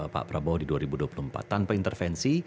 pak prabowo di dua ribu dua puluh empat tanpa intervensi